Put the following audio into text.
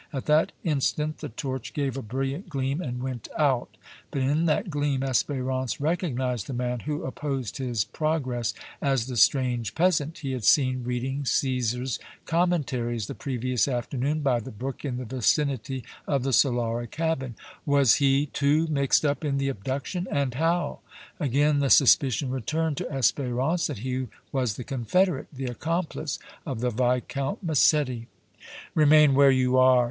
At that instant the torch gave a brilliant gleam and went out, but in that gleam Espérance recognized the man who opposed his progress as the strange peasant he had seen reading "Cæsar's Commentaries" the previous afternoon by the brook in the vicinity of the Solara cabin. Was he, too, mixed up in the abduction, and how? Again the suspicion returned to Espérance that he was the confederate, the accomplice of the Viscount Massetti. "Remain where you are!"